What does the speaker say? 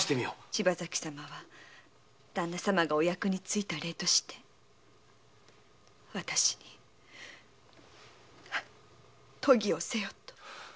柴崎様は旦那様がお役に就いた礼として私に伽をせよと。